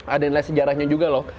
ada yang lihat sejarahnya juga loh